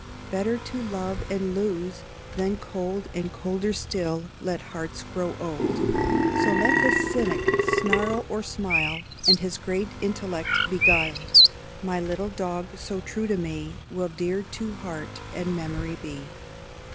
"Better to love and lose" than cold, And colder still, let hearts grow old. So let the cynic snarl or smile, And his great intellect beguile; My little dog, so true to me, Will dear to heart and memory be.